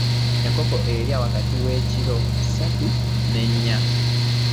Buli nkoko erya wakati wa kkiro ssatu n’ennya.